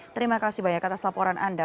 terima kasih banyak atas laporan anda